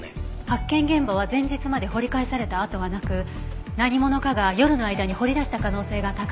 発見現場は前日まで掘り返された跡はなく何者かが夜の間に掘り出した可能性が高いって土門さんが。